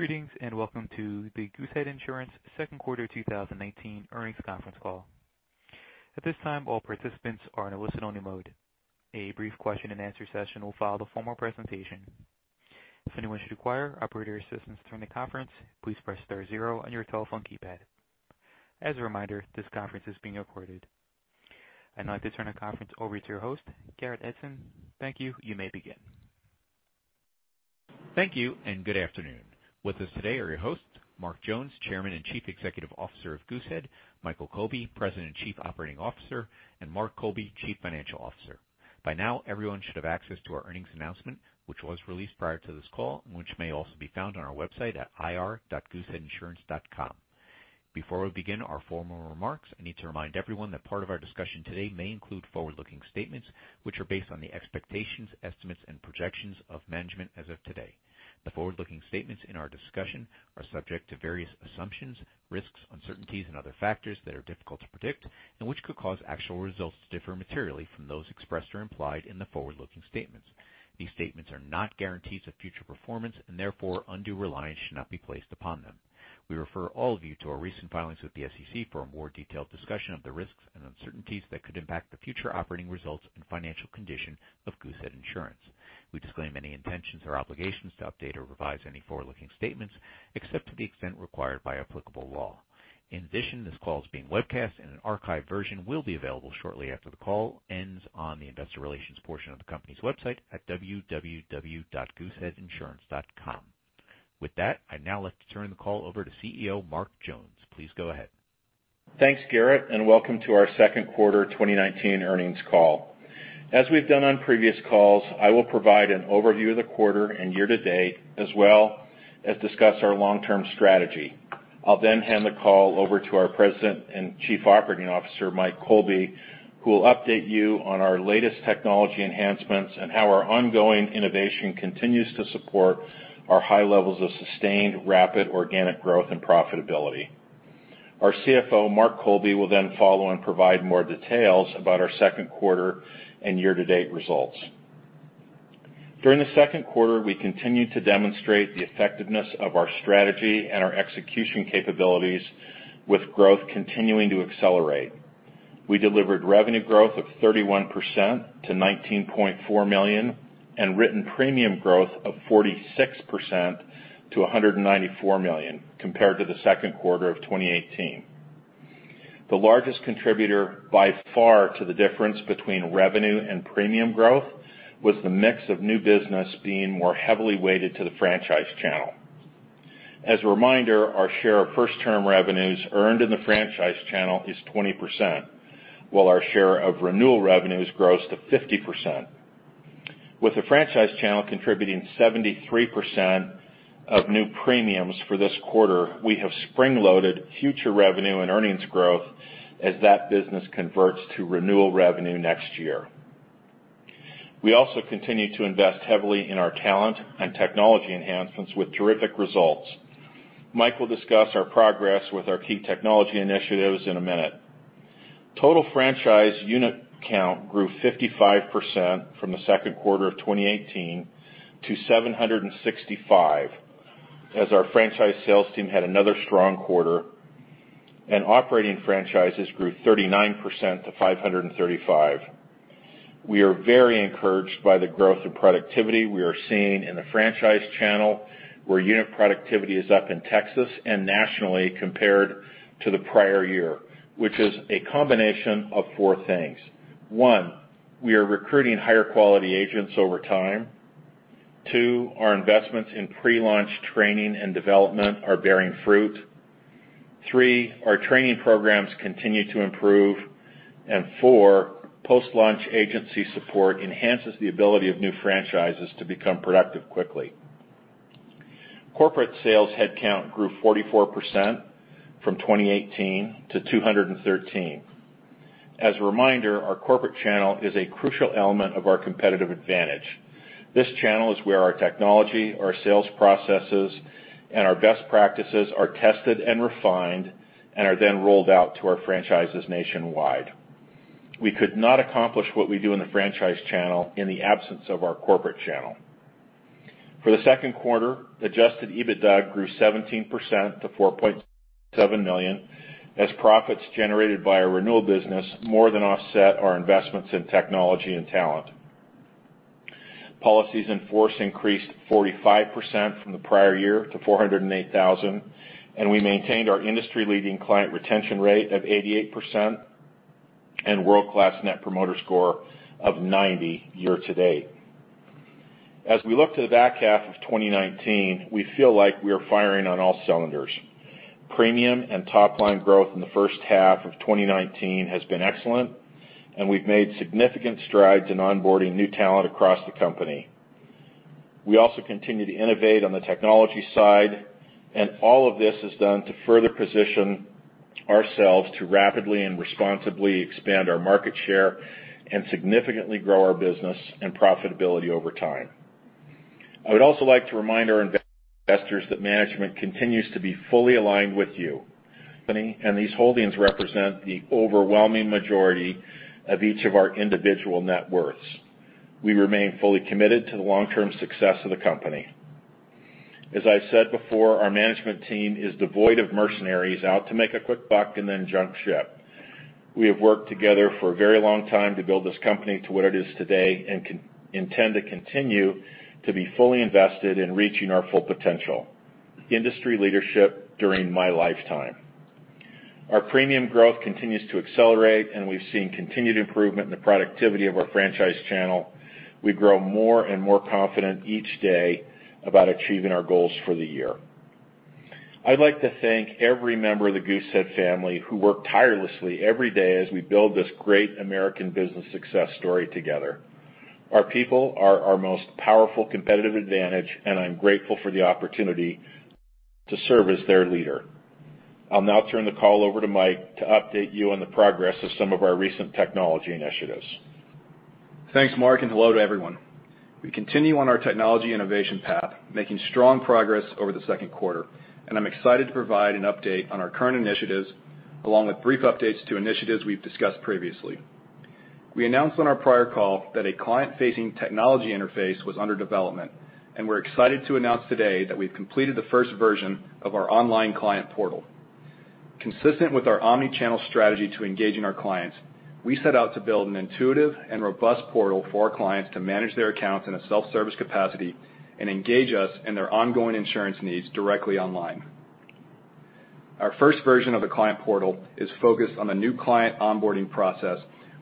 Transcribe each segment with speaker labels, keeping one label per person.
Speaker 1: Greetings, welcome to the Goosehead Insurance second quarter 2019 earnings conference call. At this time, all participants are in a listen-only mode. A brief question and answer session will follow the formal presentation. If anyone should require operator assistance during the conference, please press star zero on your telephone keypad. As a reminder, this conference is being recorded. I'd now like to turn the conference over to your host, Garrett Edson. Thank you. You may begin.
Speaker 2: Thank you, good afternoon. With us today are your hosts, Mark Jones, Chairman and Chief Executive Officer of Goosehead, Michael Colby, President and Chief Operating Officer, and Mark Miller, Chief Financial Officer. By now, everyone should have access to our earnings announcement, which was released prior to this call and which may also be found on our website at ir.gooseheadinsurance.com. Before we begin our formal remarks, I need to remind everyone that part of our discussion today may include forward-looking statements, which are based on the expectations, estimates, and projections of management as of today. The forward-looking statements in our discussion are subject to various assumptions, risks, uncertainties, and other factors that are difficult to predict and which could cause actual results to differ materially from those expressed or implied in the forward-looking statements. These statements are not guarantees of future performance, therefore undue reliance should not be placed upon them. We refer all of you to our recent filings with the SEC for a more detailed discussion of the risks and uncertainties that could impact the future operating results and financial condition of Goosehead Insurance. We disclaim any intentions or obligations to update or revise any forward-looking statements except to the extent required by applicable law. In addition, this call is being webcast, an archived version will be available shortly after the call ends on the investor relations portion of the company's website at www.gooseheadinsurance.com. With that, I'd now like to turn the call over to CEO Mark Jones. Please go ahead.
Speaker 3: Thanks, Garrett, welcome to our second quarter 2019 earnings call. As we've done on previous calls, I will provide an overview of the quarter and year to date, as well as discuss our long-term strategy. I'll then hand the call over to our President and Chief Operating Officer, Michael Colby, who will update you on our latest technology enhancements and how our ongoing innovation continues to support our high levels of sustained rapid organic growth and profitability. Our CFO, Mark Miller, will then follow and provide more details about our second quarter and year-to-date results. During the second quarter, we continued to demonstrate the effectiveness of our strategy and our execution capabilities, with growth continuing to accelerate. We delivered revenue growth of 31% to $19.4 million and written premium growth of 46% to $194 million compared to the second quarter of 2018. The largest contributor by far to the difference between revenue and premium growth was the mix of new business being more heavily weighted to the franchise channel. As a reminder, our share of first-term revenues earned in the franchise channel is 20%, while our share of renewal revenues grows to 50%. With the franchise channel contributing 73% of new premiums for this quarter, we have spring-loaded future revenue and earnings growth as that business converts to renewal revenue next year. We also continue to invest heavily in our talent and technology enhancements with terrific results. Mike Colby will discuss our progress with our key technology initiatives in a minute. Total franchise unit count grew 55% from the second quarter of 2018 to 765, as our franchise sales team had another strong quarter, and operating franchises grew 39% to 535. We are very encouraged by the growth and productivity we are seeing in the franchise channel, where unit productivity is up in Texas and nationally compared to the prior year, which is a combination of four things. One, we are recruiting higher-quality agents over time. Two, our investments in pre-launch training and development are bearing fruit. Three, our training programs continue to improve. Four, post-launch agency support enhances the ability of new franchises to become productive quickly. Corporate sales headcount grew 44% from 2018 to 213. As a reminder, our corporate channel is a crucial element of our competitive advantage. This channel is where our technology, our sales processes, and our best practices are tested and refined and are then rolled out to our franchises nationwide. We could not accomplish what we do in the franchise channel in the absence of our corporate channel. For the second quarter, Adjusted EBITDA grew 17% to $4.7 million, as profits generated by our renewal business more than offset our investments in technology and talent. Policies in force increased 45% from the prior year to 408,000, and we maintained our industry-leading client retention rate of 88% and world-class Net Promoter Score of 90 year to date. As we look to the back half of 2019, we feel like we are firing on all cylinders. Premium and top-line growth in the first half of 2019 has been excellent, and we've made significant strides in onboarding new talent across the company. We also continue to innovate on the technology side, and all of this is done to further position ourselves to rapidly and responsibly expand our market share and significantly grow our business and profitability over time. I would also like to remind our investors that management continues to be fully aligned with you. These holdings represent the overwhelming majority of each of our individual net worths. We remain fully committed to the long-term success of the company. As I said before, our management team is devoid of mercenaries out to make a quick buck and then jump ship. We have worked together for a very long time to build this company to what it is today, and intend to continue to be fully invested in reaching our full potential, industry leadership, during my lifetime. Our premium growth continues to accelerate, and we've seen continued improvement in the productivity of our franchise channel. We grow more and more confident each day about achieving our goals for the year. I'd like to thank every member of the Goosehead family who work tirelessly every day as we build this great American business success story together. Our people are our most powerful competitive advantage, and I'm grateful for the opportunity to serve as their leader. I'll now turn the call over to Mike to update you on the progress of some of our recent technology initiatives.
Speaker 4: Thanks, Mark. Hello to everyone. We continue on our technology innovation path, making strong progress over the second quarter. I'm excited to provide an update on our current initiatives, along with brief updates to initiatives we've discussed previously. We announced on our prior call that a client-facing technology interface was under development. We're excited to announce today that we've completed the first version of our online client portal. Consistent with our omnichannel strategy to engaging our clients, we set out to build an intuitive and robust portal for our clients to manage their accounts in a self-service capacity and engage us in their ongoing insurance needs directly online. Our first version of the client portal is focused on the new client onboarding process,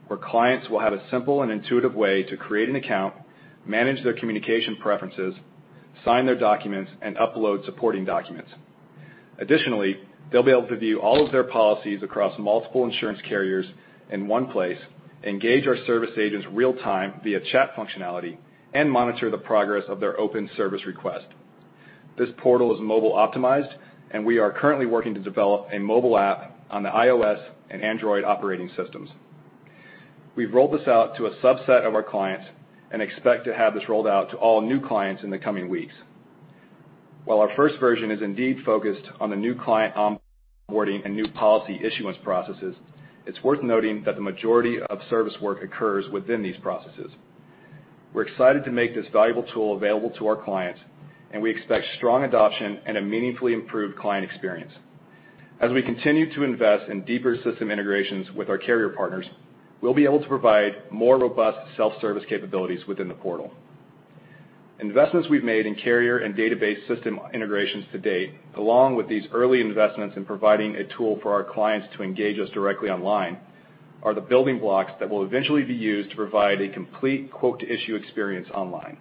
Speaker 4: where clients will have a simple and intuitive way to create an account, manage their communication preferences, sign their documents, and upload supporting documents. Additionally, they'll be able to view all of their policies across multiple insurance carriers in one place, engage our service agents real time via chat functionality. Monitor the progress of their open service request. This portal is mobile optimized. We are currently working to develop a mobile app on the iOS and Android operating systems. We've rolled this out to a subset of our clients. We expect to have this rolled out to all new clients in the coming weeks. While our first version is indeed focused on the new client onboarding and new policy issuance processes, it's worth noting that the majority of service work occurs within these processes. We're excited to make this valuable tool available to our clients. We expect strong adoption and a meaningfully improved client experience. As we continue to invest in deeper system integrations with our carrier partners, we'll be able to provide more robust self-service capabilities within the portal. Investments we've made in carrier and database system integrations to date, along with these early investments in providing a tool for our clients to engage us directly online, are the building blocks that will eventually be used to provide a complete quote-to-issue experience online.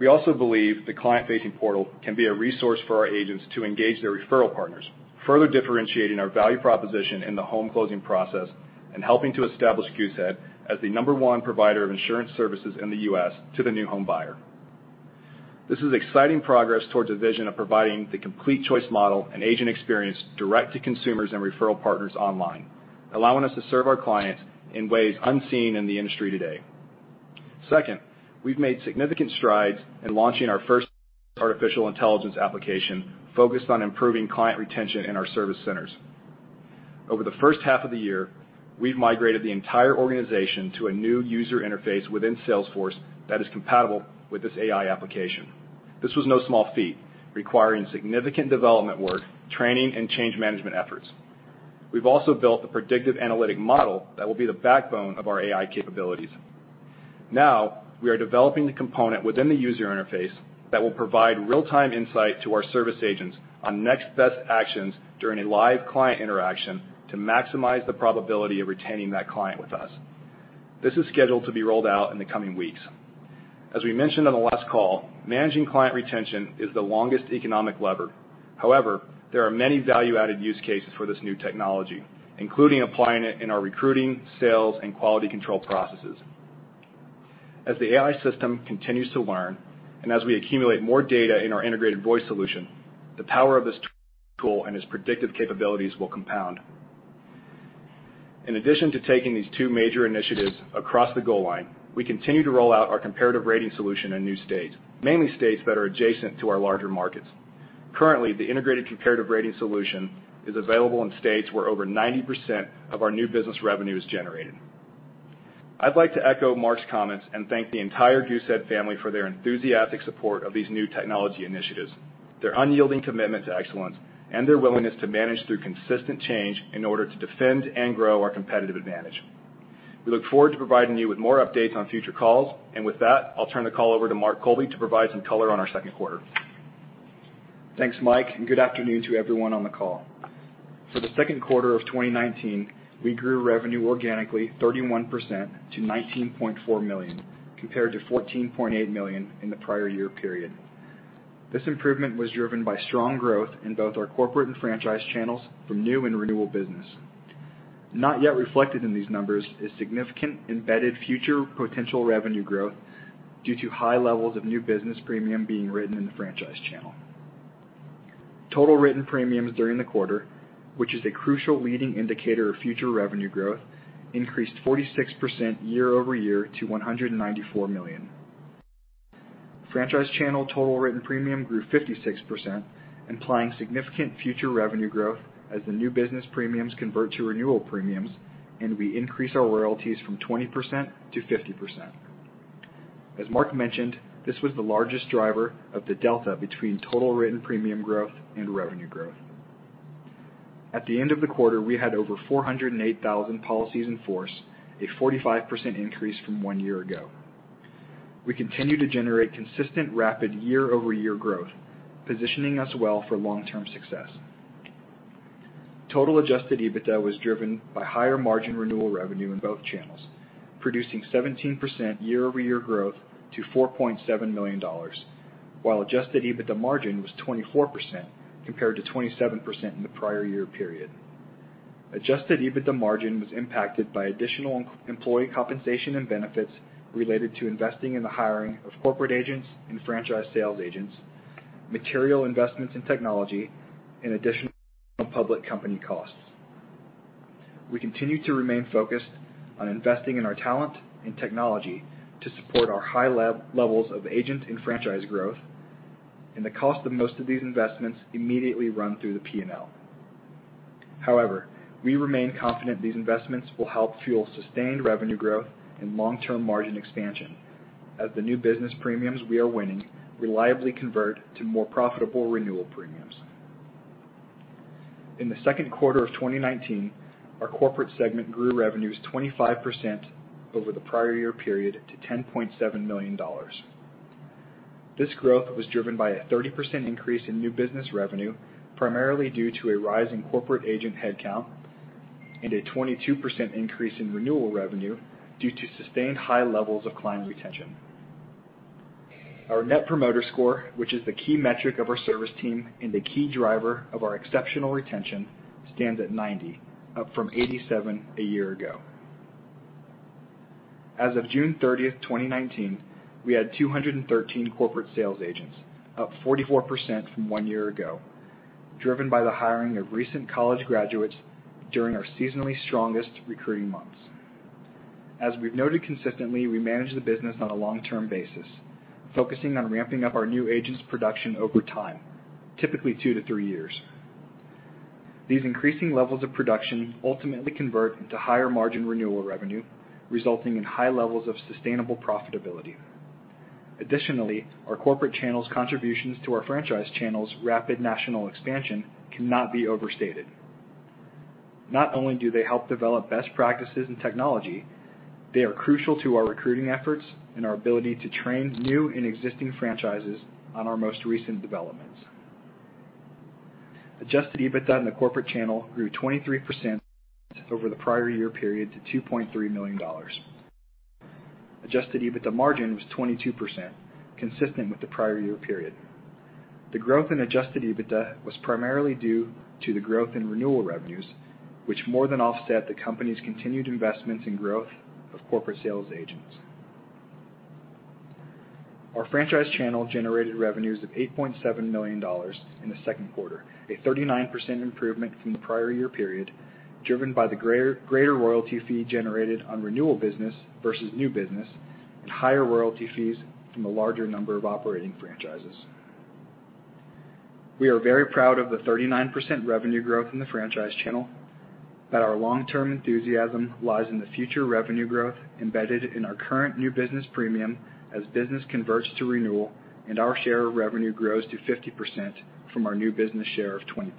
Speaker 4: We also believe the client-facing portal can be a resource for our agents to engage their referral partners, further differentiating our value proposition in the home closing process and helping to establish Goosehead as the number one provider of insurance services in the U.S. to the new home buyer. This is exciting progress towards a vision of providing the complete choice model and agent experience direct to consumers and referral partners online, allowing us to serve our clients in ways unseen in the industry today. Second, we've made significant strides in launching our first artificial intelligence application focused on improving client retention in our service centers. Over the first half of the year, we've migrated the entire organization to a new user interface within Salesforce that is compatible with this AI application. This was no small feat, requiring significant development work, training, and change management efforts. We've also built the predictive analytic model that will be the backbone of our AI capabilities. Now, we are developing the component within the user interface that will provide real-time insight to our service agents on next best actions during a live client interaction to maximize the probability of retaining that client with us. This is scheduled to be rolled out in the coming weeks. As we mentioned on the last call, managing client retention is the longest economic lever. However, there are many value-added use cases for this new technology, including applying it in our recruiting, sales, and quality control processes. As the AI system continues to learn, and as we accumulate more data in our integrated voice solution, the power of this tool and its predictive capabilities will compound. In addition to taking these two major initiatives across the goal line, we continue to roll out our comparative rating solution in new states, mainly states that are adjacent to our larger markets. Currently, the integrated comparative rating solution is available in states where over 90% of our new business revenue is generated. I'd like to echo Mark's comments and thank the entire Goosehead family for their enthusiastic support of these new technology initiatives, their unyielding commitment to excellence, and their willingness to manage through consistent change in order to defend and grow our competitive advantage. We look forward to providing you with more updates on future calls. With that, I'll turn the call over to Mark Miller to provide some color on our second quarter.
Speaker 5: Thanks, Mike, and good afternoon to everyone on the call. For the second quarter of 2019, we grew revenue organically 31% to $19.4 million, compared to $14.8 million in the prior year period. This improvement was driven by strong growth in both our corporate and franchise channels from new and renewal business. Not yet reflected in these numbers is significant embedded future potential revenue growth due to high levels of new business premium being written in the franchise channel. Total written premiums during the quarter, which is a crucial leading indicator of future revenue growth, increased 46% year-over-year to $194 million. Franchise channel total written premium grew 56%, implying significant future revenue growth as the new business premiums convert to renewal premiums, and we increase our royalties from 20%-50%. As Mark mentioned, this was the largest driver of the delta between total written premium growth and revenue growth. At the end of the quarter, we had over 408,000 policies in force, a 45% increase from one year ago. We continue to generate consistent, rapid year-over-year growth, positioning us well for long-term success. Total Adjusted EBITDA was driven by higher margin renewal revenue in both channels, producing 17% year-over-year growth to $4.7 million, while Adjusted EBITDA margin was 24% compared to 27% in the prior year period. Adjusted EBITDA margin was impacted by additional employee compensation and benefits related to investing in the hiring of corporate agents and franchise sales agents, material investments in technology, and additional public company costs. We continue to remain focused on investing in our talent and technology to support our high levels of agent and franchise growth, the cost of most of these investments immediately run through the P&L. However, we remain confident these investments will help fuel sustained revenue growth and long-term margin expansion as the new business premiums we are winning reliably convert to more profitable renewal premiums. In the second quarter of 2019, our corporate segment grew revenues 25% over the prior year period to $10.7 million. This growth was driven by a 30% increase in new business revenue, primarily due to a rise in corporate agent headcount and a 22% increase in renewal revenue due to sustained high levels of client retention. Our Net Promoter Score, which is the key metric of our service team and a key driver of our exceptional retention, stands at 90, up from 87 a year ago. As of June 30, 2019, we had 213 corporate sales agents, up 44% from one year ago, driven by the hiring of recent college graduates during our seasonally strongest recruiting months. As we've noted consistently, we manage the business on a long-term basis, focusing on ramping up our new agents' production over time, typically two to three years. These increasing levels of production ultimately convert into higher margin renewal revenue, resulting in high levels of sustainable profitability. Additionally, our corporate channel's contributions to our franchise channel's rapid national expansion cannot be overstated. Not only do they help develop best practices and technology, they are crucial to our recruiting efforts and our ability to train new and existing franchises on our most recent developments. Adjusted EBITDA in the corporate channel grew 23% over the prior year period to $2.3 million. Adjusted EBITDA margin was 22%, consistent with the prior year period. The growth in Adjusted EBITDA was primarily due to the growth in renewal revenues, which more than offset the company's continued investments in growth of corporate sales agents. Our franchise channel generated revenues of $8.7 million in the second quarter, a 39% improvement from the prior year period, driven by the greater royalty fee generated on renewal business versus new business and higher royalty fees from the larger number of operating franchises. We are very proud of the 39% revenue growth in the franchise channel, that our long-term enthusiasm lies in the future revenue growth embedded in our current new business premium as business converts to renewal and our share of revenue grows to 50% from our new business share of 20%.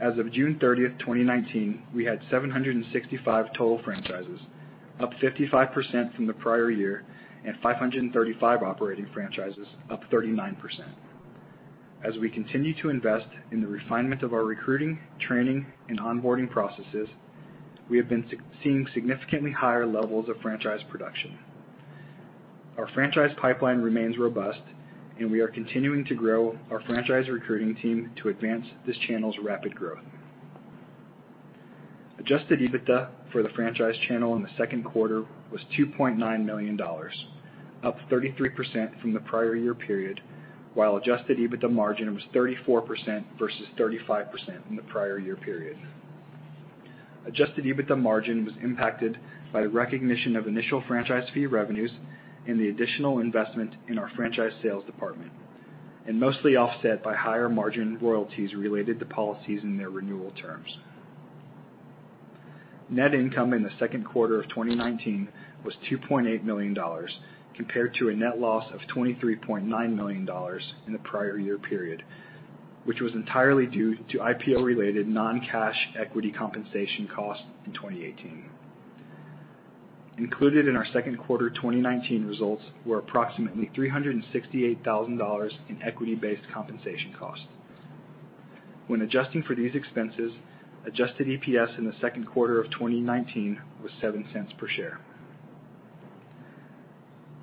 Speaker 5: As of June 30, 2019, we had 765 total franchises, up 55% from the prior year, and 535 operating franchises, up 39%. As we continue to invest in the refinement of our recruiting, training, and onboarding processes, we have been seeing significantly higher levels of franchise production. Our franchise pipeline remains robust, and we are continuing to grow our franchise recruiting team to advance this channel's rapid growth. Adjusted EBITDA for the franchise channel in the second quarter was $2.9 million, up 33% from the prior year period, while Adjusted EBITDA margin was 34% versus 35% in the prior year period. Adjusted EBITDA margin was impacted by the recognition of initial franchise fee revenues and the additional investment in our franchise sales department, and mostly offset by higher margin royalties related to policies and their renewal terms. Net income in the second quarter of 2019 was $2.8 million compared to a net loss of $23.9 million in the prior year period, which was entirely due to IPO-related non-cash equity compensation costs in 2018. Included in our second quarter 2019 results were approximately $368,000 in equity-based compensation costs. When adjusting for these expenses, Adjusted EPS in the second quarter of 2019 was $0.07 per share.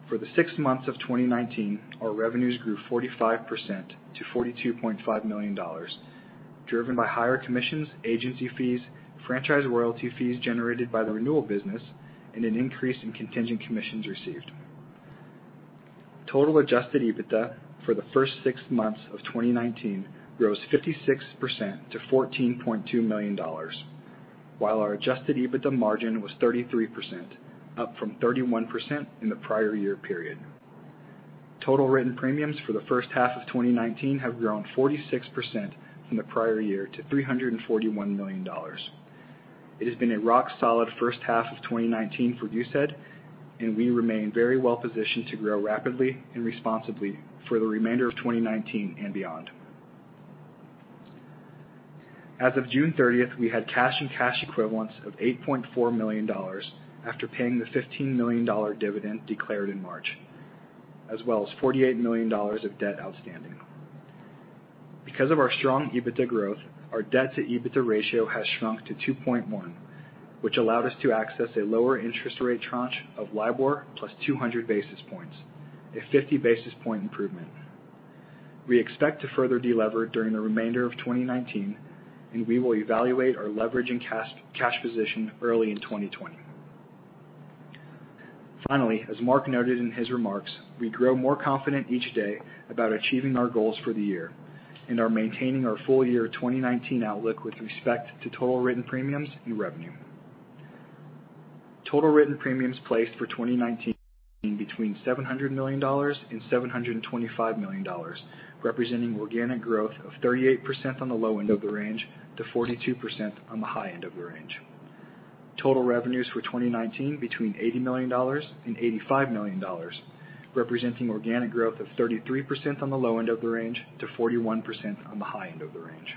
Speaker 5: For the six months of 2019, our revenues grew 45% to $42.5 million, driven by higher commissions, agency fees, franchise royalty fees generated by the renewal business, and an increase in contingent commissions received. Total Adjusted EBITDA for the first six months of 2019 rose 56% to $14.2 million, while our Adjusted EBITDA margin was 33%, up from 31% in the prior year period. Total written premiums for the first half of 2019 have grown 46% from the prior year to $341 million. It has been a rock-solid first half of 2019 for Goosehead, and we remain very well positioned to grow rapidly and responsibly for the remainder of 2019 and beyond. As of June 30th, we had cash and cash equivalents of $8.4 million after paying the $15 million dividend declared in March, as well as $48 million of debt outstanding. Because of our strong EBITDA growth, our debt to EBITDA ratio has shrunk to 2.1, which allowed us to access a lower interest rate tranche of LIBOR plus 200 basis points, a 50 basis point improvement. We expect to further de-lever during the remainder of 2019, and we will evaluate our leverage and cash position early in 2020. Finally, as Mark noted in his remarks, we grow more confident each day about achieving our goals for the year and are maintaining our full year 2019 outlook with respect to total written premiums and revenue. Total written premiums placed for 2019 between $700 million and $725 million, representing organic growth of 38% on the low end of the range to 42% on the high end of the range. Total revenues for 2019 between $80 million and $85 million, representing organic growth of 33% on the low end of the range to 41% on the high end of the range.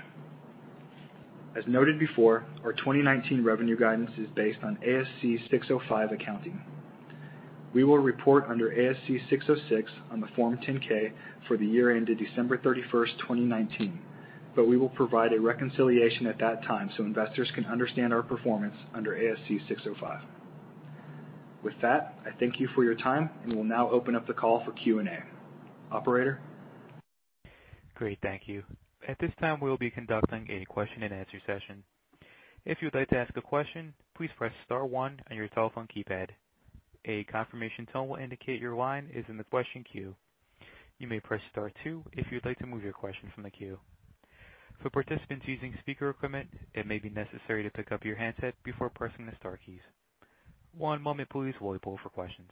Speaker 5: As noted before, our 2019 revenue guidance is based on ASC 605 accounting. We will report under ASC 606 on the Form 10-K for the year end of December 31st, 2019, but we will provide a reconciliation at that time so investors can understand our performance under ASC 605. With that, I thank you for your time, and we'll now open up the call for Q&A. Operator?
Speaker 1: Great, thank you. At this time, we'll be conducting a question and answer session. If you would like to ask a question, please press *1 on your telephone keypad. A confirmation tone will indicate your line is in the question queue. You may press *2 if you'd like to move your question from the queue. For participants using speaker equipment, it may be necessary to pick up your handset before pressing the star keys. One moment please while we pull for questions.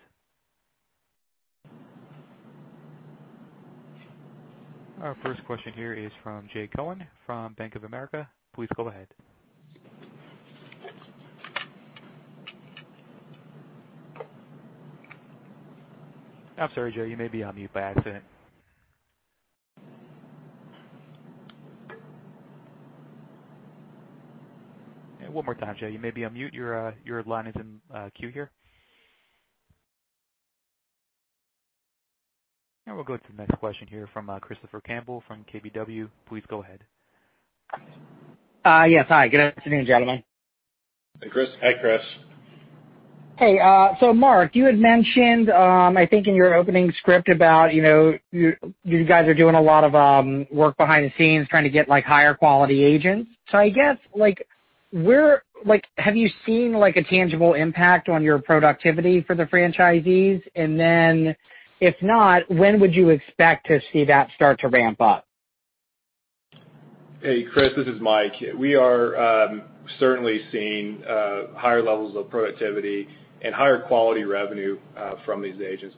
Speaker 1: Our first question here is from Jay Cohen from Bank of America. Please go ahead. I'm sorry, Jay, you may be on mute by accident. One more time, Jay. You may be on mute. Your line is in queue here. We'll go to the next question here from Christopher Campbell from KBW. Please go ahead.
Speaker 6: Yes. Hi, good afternoon, gentlemen.
Speaker 5: Hey, Chris. Hi, Chris.
Speaker 6: Hey, Mark, you had mentioned, I think in your opening script about you guys are doing a lot of work behind the scenes trying to get higher quality agents. I guess, have you seen a tangible impact on your productivity for the franchisees? If not, when would you expect to see that start to ramp up?
Speaker 4: Hey, Chris, this is Mike. We are certainly seeing higher levels of productivity and higher quality revenue from these agents.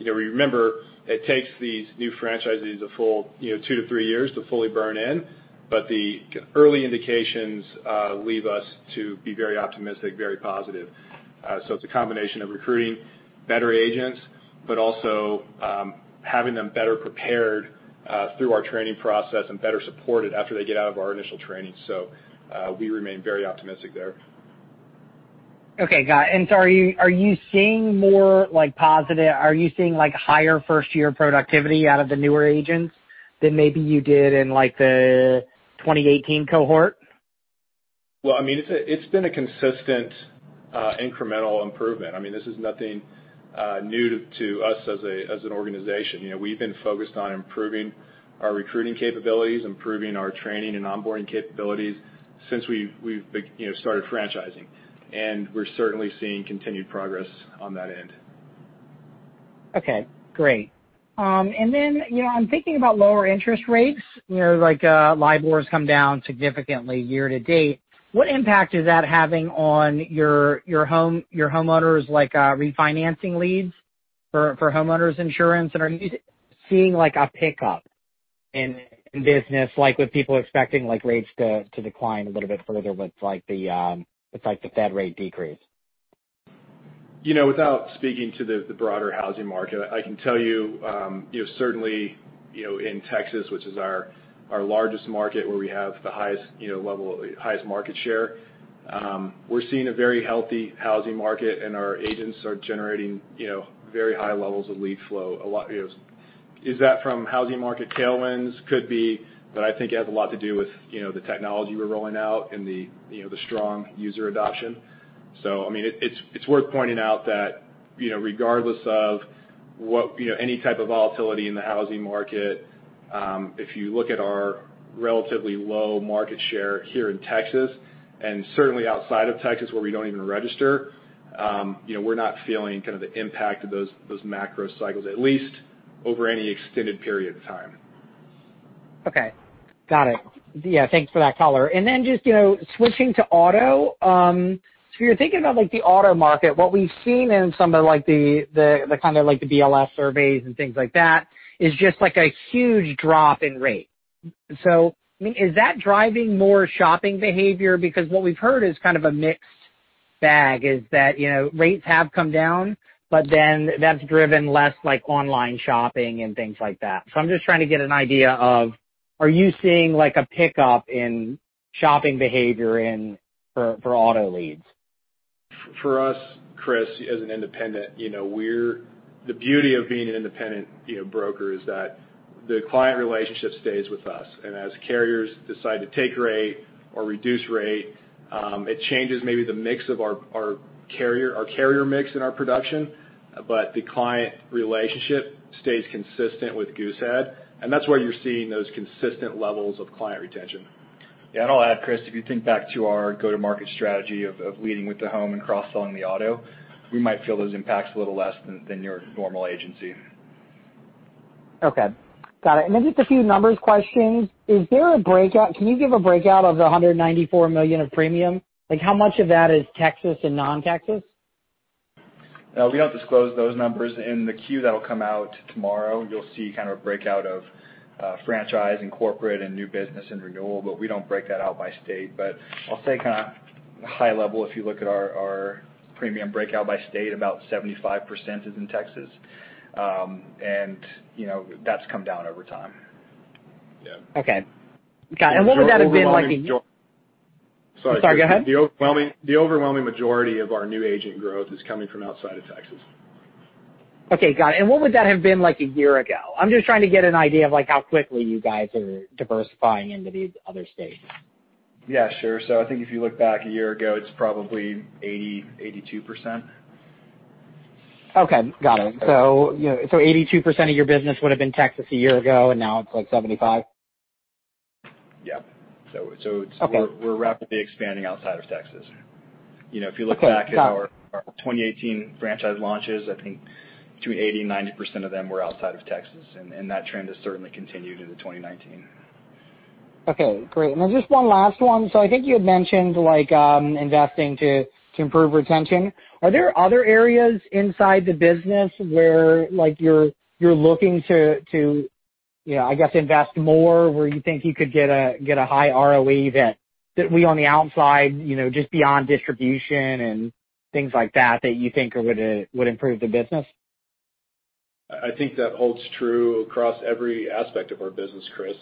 Speaker 4: Remember, it takes these new franchisees a full 2 to 3 years to fully burn in, but the early indications leave us to be very optimistic, very positive. It's a combination of recruiting better agents, also having them better prepared through our training process and better supported after they get out of our initial training. We remain very optimistic there.
Speaker 6: Okay, got it. Are you seeing higher first-year productivity out of the newer agents than maybe you did in the 2018 cohort?
Speaker 4: Well, it's been a consistent incremental improvement. This is nothing new to us as an organization. We've been focused on improving our recruiting capabilities, improving our training and onboarding capabilities since we've started franchising. We're certainly seeing continued progress on that end.
Speaker 6: Okay, great. Then, I'm thinking about lower interest rates, like LIBOR's come down significantly year-to-date. What impact is that having on your homeowners refinancing leads for homeowners insurance? Are you seeing a pickup in business, with people expecting rates to decline a little bit further with the Fed rate decrease?
Speaker 4: Without speaking to the broader housing market, I can tell you, certainly, in Texas, which is our largest market where we have the highest market share, we're seeing a very healthy housing market, and our agents are generating very high levels of lead flow. Is that from housing market tailwinds? Could be, but I think it has a lot to do with the technology we're rolling out and the strong user adoption. It's worth pointing out that regardless of any type of volatility in the housing market
Speaker 3: If you look at our relatively low market share here in Texas, and certainly outside of Texas where we don't even register, we're not feeling the impact of those macro cycles, at least over any extended period of time.
Speaker 6: Okay. Got it. Thanks for that color. Just switching to auto. You're thinking about the auto market. What we've seen in some of the BLS surveys and things like that is just a huge drop in rate. Is that driving more shopping behavior? What we've heard is kind of a mixed bag, is that rates have come down, that's driven less online shopping and things like that. I'm just trying to get an idea of, are you seeing a pickup in shopping behavior in for auto leads?
Speaker 3: For us, Chris, as an independent, the beauty of being an independent broker is that the client relationship stays with us. As carriers decide to take rate or reduce rate, it changes maybe the mix of our carrier mix and our production, the client relationship stays consistent with Goosehead, that's why you're seeing those consistent levels of client retention.
Speaker 5: Yeah, I'll add, Chris, if you think back to our go-to-market strategy of leading with the home and cross-selling the auto, we might feel those impacts a little less than your normal agency.
Speaker 6: Okay. Got it. Just a few numbers questions. Can you give a breakout of the $194 million of premium? How much of that is Texas and non-Texas?
Speaker 5: We don't disclose those numbers. In the Q that'll come out tomorrow, you'll see a breakout of franchise and corporate and new business and renewal. We don't break that out by state. I'll say kind of high level, if you look at our premium breakout by state, about 75% is in Texas. That's come down over time.
Speaker 3: Yeah.
Speaker 6: Okay. Got it. What would that have been like a-?
Speaker 3: The overwhelming majority- Sorry, go ahead. the overwhelming majority of our new agent growth is coming from outside of Texas.
Speaker 6: Okay, got it. What would that have been like a year ago? I'm just trying to get an idea of how quickly you guys are diversifying into these other states.
Speaker 5: Yeah, sure. I think if you look back a year ago, it's probably 80, 82%.
Speaker 6: Okay, got it. 82% of your business would've been Texas a year ago, and now it's like 75?
Speaker 5: Yeah.
Speaker 6: Okay.
Speaker 5: We're rapidly expanding outside of Texas. If you look back at our- Got it. Our 2018 franchise launches, I think between 80% and 90% of them were outside of Texas, and that trend has certainly continued into 2019.
Speaker 6: Great. Just one last one. I think you had mentioned investing to improve retention. Are there other areas inside the business where you're looking to, I guess, invest more where you think you could get a high ROE that we on the outside, just beyond distribution and things like that you think would improve the business?
Speaker 3: I think that holds true across every aspect of our business, Chris.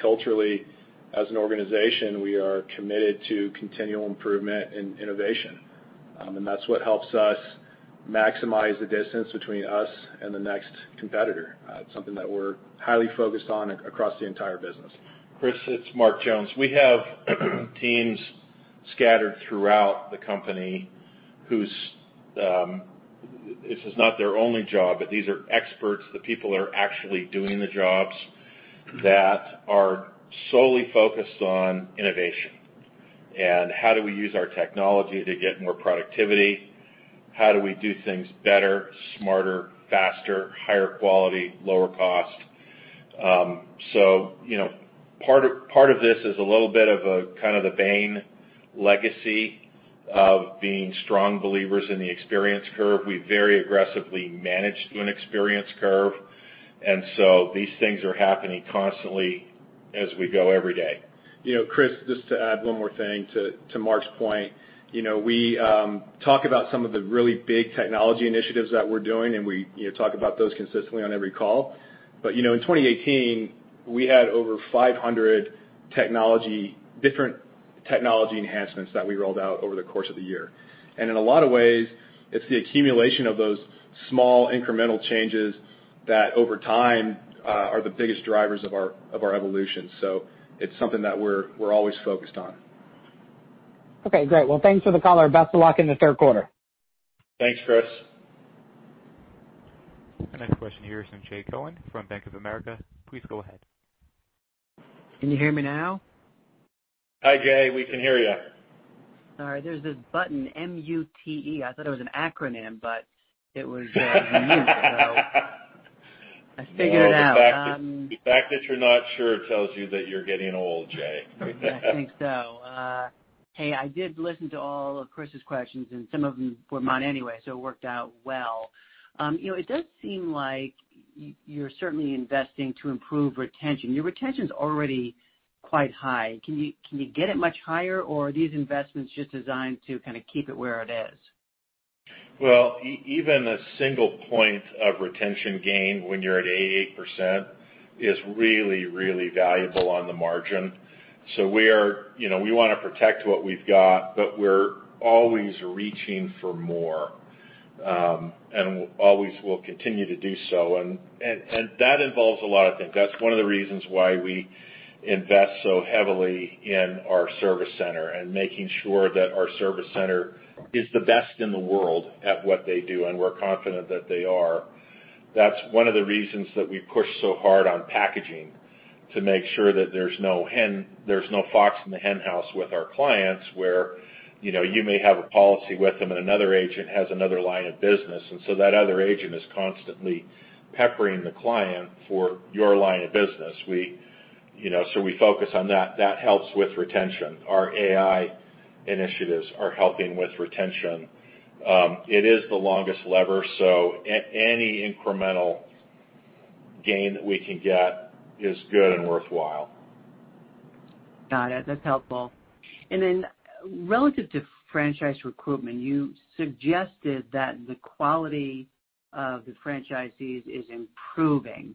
Speaker 3: Culturally as an organization, we are committed to continual improvement and innovation. That's what helps us maximize the distance between us and the next competitor. It's something that we're highly focused on across the entire business. Chris, it's Mark Jones. We have teams scattered throughout the company whose, this is not their only job, but these are experts, the people that are actually doing the jobs that are solely focused on innovation and how do we use our technology to get more productivity, how do we do things better, smarter, faster, higher quality, lower cost. Part of this is a little bit of a kind of the Bain legacy of being strong believers in the experience curve. We very aggressively managed an experience curve. These things are happening constantly as we go every day.
Speaker 4: Chris, just to add one more thing to Mark's point. We talk about some of the really big technology initiatives that we're doing, and we talk about those consistently on every call. In 2018, we had over 500 different technology enhancements that we rolled out over the course of the year. In a lot of ways, it's the accumulation of those small incremental changes that over time, are the biggest drivers of our evolution. It's something that we're always focused on.
Speaker 6: Okay, great. Well, thanks for the color. Best of luck in the third quarter.
Speaker 3: Thanks, Chris.
Speaker 1: Our next question here is from Jay Cohen from Bank of America. Please go ahead.
Speaker 7: Can you hear me now?
Speaker 3: Hi, Jay. We can hear you.
Speaker 7: All right. There's this button, M-U-T-E. I thought it was an acronym, but it was mute. I figured it out.
Speaker 3: Well, the fact that you're not sure tells you that you're getting old, Jay.
Speaker 7: I think so. Hey, I did listen to all of Chris's questions, and some of them were mine anyway, so it worked out well. It does seem like you're certainly investing to improve retention. Your retention's already quite high. Can you get it much higher, or are these investments just designed to kind of keep it where it is?
Speaker 3: Well, even a single point of retention gain when you're at 88% is really, really valuable on the margin. We want to protect what we've got, but we're always reaching for more. Always will continue to do so. That involves a lot of things. That's one of the reasons why we Invest so heavily in our service center and making sure that our service center is the best in the world at what they do, and we're confident that they are. That's one of the reasons that we push so hard on packaging to make sure that there's no fox in the henhouse with our clients, where you may have a policy with them and another agent has another line of business. That other agent is constantly peppering the client for your line of business. We focus on that. That helps with retention. Our AI initiatives are helping with retention. It is the longest lever, so any incremental gain that we can get is good and worthwhile.
Speaker 7: Got it. That's helpful. Relative to franchise recruitment, you suggested that the quality of the franchisees is improving.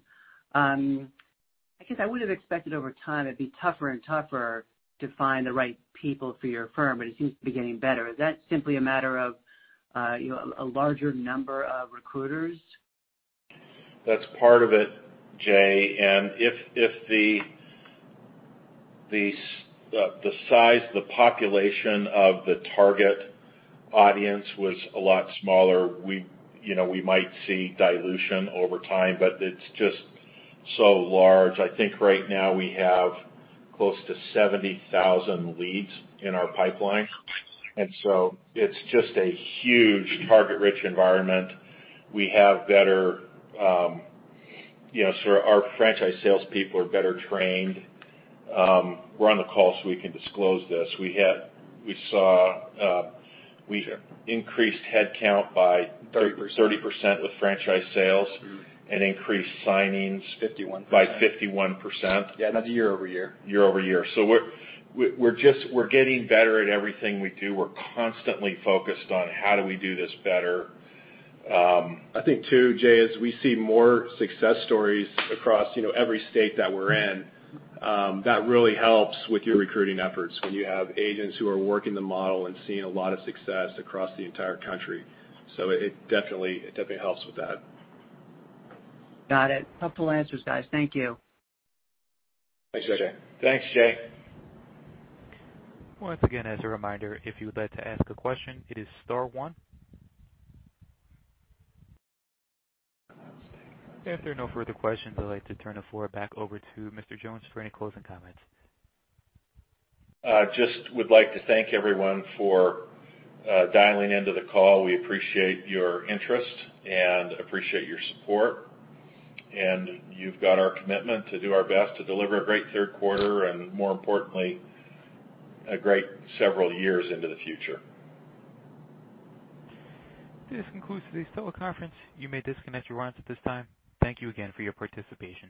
Speaker 7: I guess I would have expected over time it'd be tougher and tougher to find the right people for your firm, but it seems to be getting better. Is that simply a matter of a larger number of recruiters?
Speaker 3: That's part of it, Jay. If the size, the population of the target audience was a lot smaller, we might see dilution over time, but it's just so large. I think right now we have close to 70,000 leads in our pipeline, it's just a huge target-rich environment. Our franchise salespeople are better trained. We're on the call, so we can disclose this. We saw we increased headcount by-
Speaker 4: 30%
Speaker 3: 30% with franchise sales and increased signings-
Speaker 4: 51%
Speaker 3: by 51%.
Speaker 4: Yeah, that's year-over-year.
Speaker 3: Year-over-year. We're getting better at everything we do. We're constantly focused on how do we do this better.
Speaker 4: I think, too, Jay, as we see more success stories across every state that we're in, that really helps with your recruiting efforts when you have agents who are working the model and seeing a lot of success across the entire country. It definitely helps with that.
Speaker 7: Got it. Helpful answers, guys. Thank you.
Speaker 3: Thanks, Jay. Thanks, Jay.
Speaker 1: Once again, as a reminder, if you would like to ask a question, it is star one. If there are no further questions, I'd like to turn the floor back over to Mr. Jones for any closing comments.
Speaker 3: Just would like to thank everyone for dialing into the call. We appreciate your interest and appreciate your support, and you've got our commitment to do our best to deliver a great third quarter and more importantly, a great several years into the future.
Speaker 1: This concludes today's teleconference. You may disconnect your lines at this time. Thank you again for your participation.